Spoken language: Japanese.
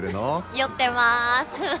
酔ってます。